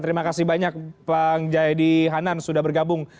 terima kasih banyak bang jayadi hanan sudah bergabung